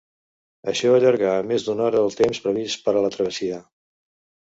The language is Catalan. Això allarga en més d'una hora el temps previst per a la travessia.